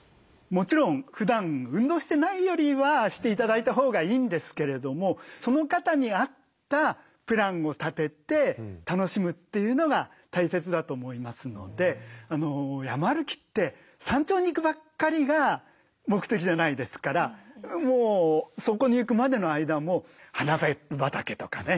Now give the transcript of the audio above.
もちろんふだん運動してないよりはして頂いたほうがいいんですけれどもその方に合ったプランを立てて楽しむというのが大切だと思いますので山歩きって山頂に行くばっかりが目的じゃないですからもうそこに行くまでの間も花畑とかね